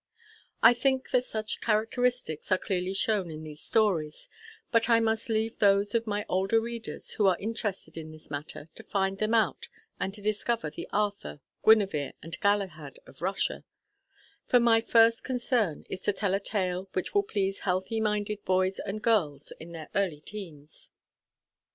I think that such characteristics are clearly shown in these stories, but I must leave those of my older readers who are interested in this matter to find them out and to discover the Arthur, Guinevere and Galahad of Russia; for my first concern is to tell a tale which will please healthy minded boys and girls in their early teens.